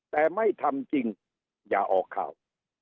แต่ไม่ทำจริงอย่าออกข่าว